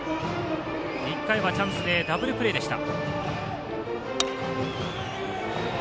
１回はチャンスでダブルプレーでした。